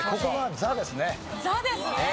ザですね。